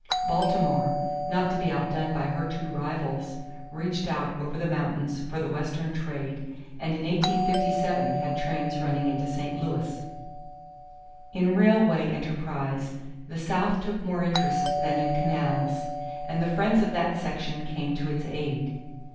Baltimore, not to be outdone by her two rivals, reached out over the mountains for the Western trade and in 1857 had trains running into St. Louis. In railway enterprise the South took more interest than in canals, and the friends of that section came to its aid.